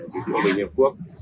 giữ thị hội liên hợp quốc